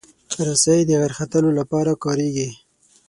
رسۍ د غر ختلو لپاره کارېږي.